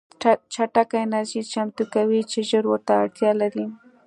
چټکه انرژي چمتو کوي چې ژر ورته اړتیا لري